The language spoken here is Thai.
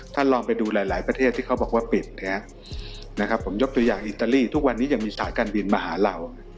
ลองไปดูหลายประเทศที่เขาบอกว่าปิดนะครับผมยกตัวอย่างอิตาลีทุกวันนี้ยังมีสายการบินมาหาเรา